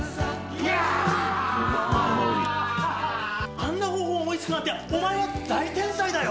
あんな方法を思いつくなんてお前は大天才だよ！